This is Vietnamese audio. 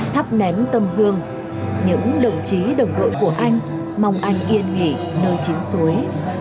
thắp nén tâm hương những đồng chí đồng đội của anh mong anh yên nghỉ nơi chính suối